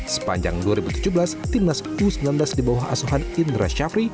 sepanjang dua ribu tujuh belas timnas u sembilan belas di bawah asuhan indra syafri